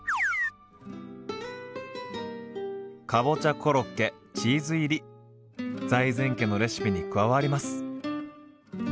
かぼちゃコロッケチーズ入り財前家のレシピに加わります。